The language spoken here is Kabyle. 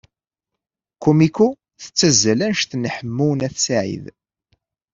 Kumiko tettazzal anect n Ḥemmu n At Sɛid.